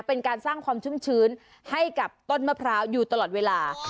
เป็นการสร้างความชุ่มชื้นให้กับต้นมะพร้าวอยู่ตลอดเวลา